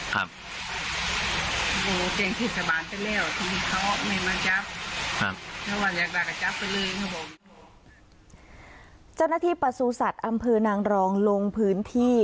เจ้าหน้าที่ประสูจัตว์อำเภอนางรองลงพื้นที่